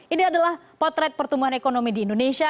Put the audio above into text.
ini adalah potret pertumbuhan ekonomi di indonesia